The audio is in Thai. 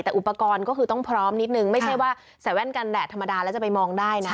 แต่อุปกรณ์ก็คือต้องพร้อมนิดนึงไม่ใช่ว่าใส่แว่นกันแดดธรรมดาแล้วจะไปมองได้นะ